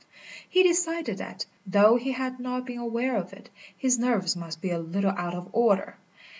He decided that, though he had not been aware of it, his nerves must be a little out of order.